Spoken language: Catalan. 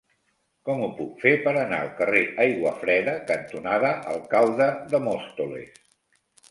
Com ho puc fer per anar al carrer Aiguafreda cantonada Alcalde de Móstoles?